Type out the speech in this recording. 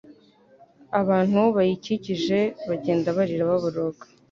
abantu bayikikije bagenda barira, baboroga.